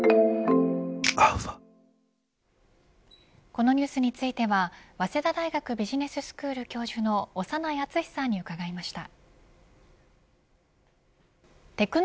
このニュースについては早稲田大学ビジネススクール教授の長内厚さんに伺いました。